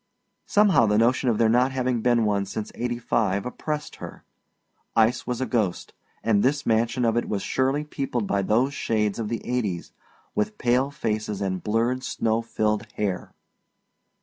Somehow the notion of there not having been one since eighty five oppressed her. Ice was a ghost, and this mansion of it was surely peopled by those shades of the eighties, with pale faces and blurred snow filled hair.